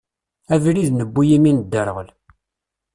Abrid newwi imi nedderɣel.